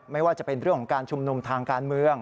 ไม่ว่าจะเป็นเรื่องของการชุมนุมทางการเมือง